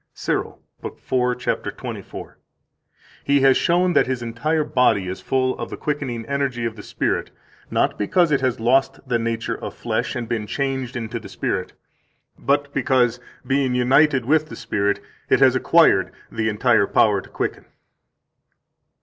157 CYRIL, lib. 4, cap. 24 (t. 4, p. 377, and 3, f. 783): "He has shown that His entire body is full of the quickening energy of the Spirit, not because it has lost the nature of flesh and been changed into the Spirit, but because, being united with the Spirit, it has acquired the entire power to quicken."